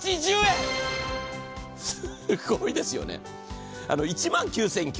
すごいですよね。